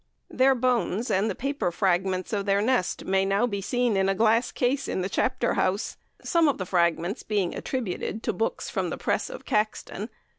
Their bones and paper fragments of the nest may now be seen in a glass case in the Chapter House, some of the fragments being attributed to books from the press of Caxton.